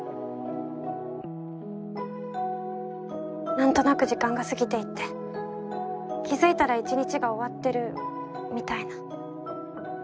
何となく時間が過ぎていって気付いたら一日が終わってるみたいな。